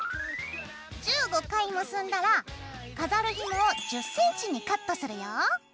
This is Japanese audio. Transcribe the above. １５回結んだら飾るひもを１０ｃｍにカットするよ。